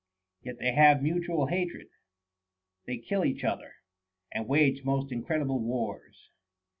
Yet they have mutual hatred ; they kill each other, and wage most incredible wars.